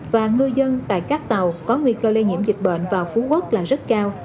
và ngư dân tại các tàu có nguy cơ lây nhiễm dịch bệnh vào phú quốc là rất cao